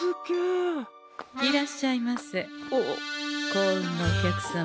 幸運のお客様